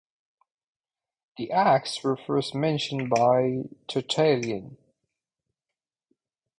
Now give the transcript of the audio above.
The Acts were first mentioned by Tertullian.